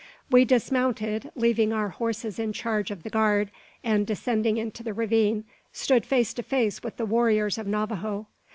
We dismounted, leaving our horses in charge of the guard, and descending into the ravine, stood face to face with the warriors of Navajo.